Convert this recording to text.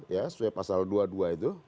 ya sesuai pasal dua puluh dua itu